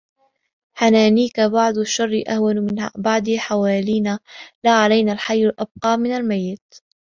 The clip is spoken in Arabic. حنانيك بعض الشر أهون من بعض حوالينا لا علينا الحي أبقى من الميت